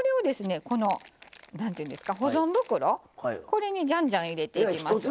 これにじゃんじゃん入れていきます。